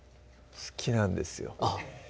好きなんですよ